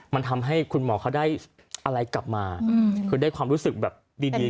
มันทำให้คุณหมอเขาได้อะไรกลับมาคือได้ความรู้สึกแบบดี